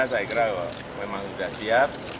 saya kira memang sudah siap